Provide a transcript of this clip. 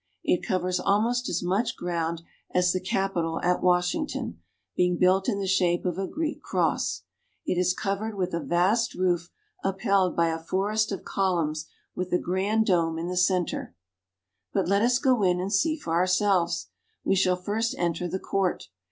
It covers almost as much ground as the Capitol at Wash Interior of Santa Sophia. ington, being built in the shape of a Greek cross; it is covered with a vast roof upheld by a forest of columns with a grand dome in the center. But let us go in and see for ourselves. We shall first enter the court.